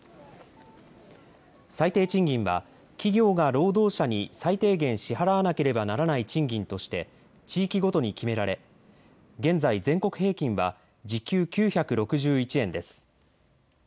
最低賃金は企業が労働者に最低限支払わなければならない賃金として地域ごとに決められ現在、全国平均は時給９６１円です。